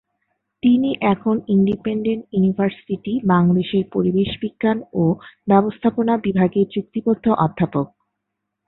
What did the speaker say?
তিনি এখন Independent University, বাংলাদেশের পরিবেশ বিজ্ঞান ও ব্যবস্থাপনা বিভাগে চুক্তিবদ্ধ অধ্যাপক।